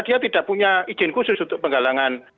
dia tidak punya izin khusus untuk penggalangan